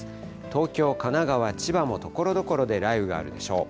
東京、神奈川、千葉もところどころで雷雨があるでしょう。